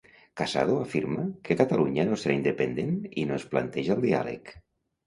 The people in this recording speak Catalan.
Casado afirma que Catalunya no serà independent i no es planteja el diàleg.